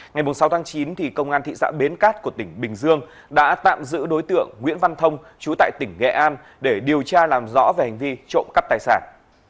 ngày sáu chín công an thị xã bến cát của tỉnh bình dương đã tạm giữ đối tượng nguyễn văn thông chú tại tỉnh nghệ an để điều tra làm rõ về hành vi trộm cắp tài sản